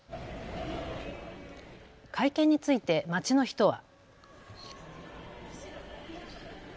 会見について街の人は。